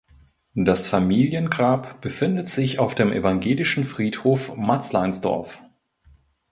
Das Familiengrab befindet sich auf dem Evangelischen Friedhof Matzleinsdorf.